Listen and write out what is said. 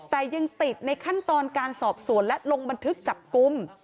แต่ยังติดในขั้นตอนการสอบสวนและลงบันทึกจับกลุ่ม